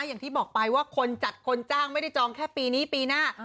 อย่างที่บอกไปว่าคนจัดคนจ้างไม่ได้จองแค่ปีนี้ปีหน้า